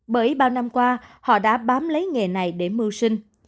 bởi bao năm qua họ đã bám lấy nghề này để mưu sinh